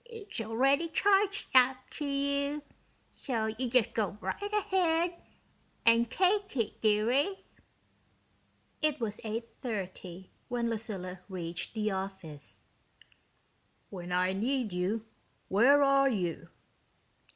It's already charged out to you, so you just go right ahead and take it, dearie." It was 8:30 when Lucilla reached the office. "When I need you, where are you?"